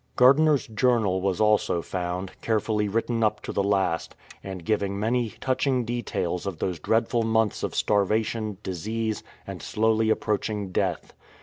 253 THE DIARY Gar(liner''s journal was also found, carefully written up to the last, and giving many touching details of those dreadful months of starvation, disease, and slowly ap proaching death.